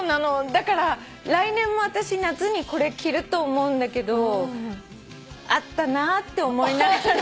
だから来年も私夏にこれ着ると思うんだけどあったなって思いながら。